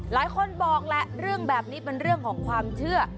หลายคนบอกแหละเรื่องแบบนี้เป็นเรื่องของความเชื่อ